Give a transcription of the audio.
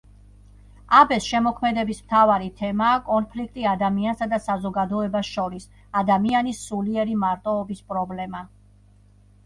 აბეს შემოქმედების მთავარი თემაა კონფლიქტი ადამიანსა და საზოგადოებას შორის, ადამიანის სულიერი მარტოობის პრობლემა.